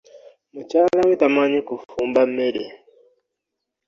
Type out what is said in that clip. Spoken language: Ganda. Mukyala we tamanyi kufumba mmere.